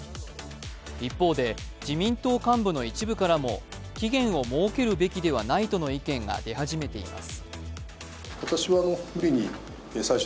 一方で自民党幹部の一部からも期限を設けるべきではないとの意見が出始めています。